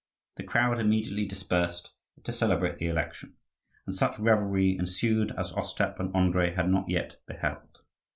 The crowd immediately dispersed to celebrate the election, and such revelry ensued as Ostap and Andrii had not yet beheld.